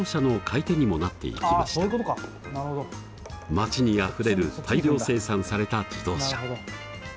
街にあふれる大量生産された自動車。